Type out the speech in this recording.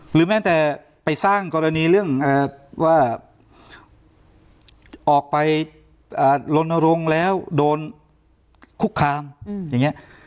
แม้แต่ไปสร้างกรณีเรื่องว่าออกไปลนรงค์แล้วโดนคุกคามอย่างนี้